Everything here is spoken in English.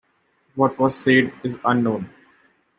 What was said is unknown.